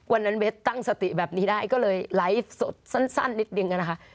วันนั้นเบสตั้งสติแบบนี้ได้ก็เลยไลฟ์สดสั้นนิดนึงนะคะ